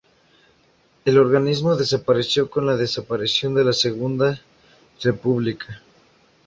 El organismo desapareció con la desaparición de la Segunda República.